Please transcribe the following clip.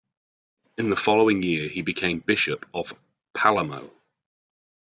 In the following year, he became bishop of Palermo.